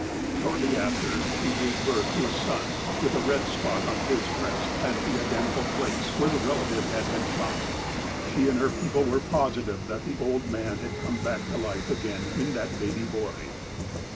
Shortly after, she gave birth to a son with a red spot on his breast at the identical place where the relative had been shot. She and her people were positive that the old man had come back to life again in that baby boy.